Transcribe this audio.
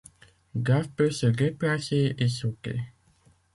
Dave peut se déplacer et sauter.